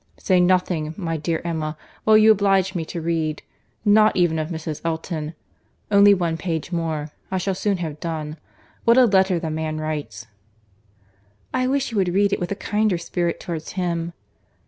"Say nothing, my dear Emma, while you oblige me to read—not even of Mrs. Elton. Only one page more. I shall soon have done. What a letter the man writes!" "I wish you would read it with a kinder spirit towards him."